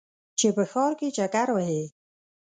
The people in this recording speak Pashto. چې په ښار کې چکر وهې.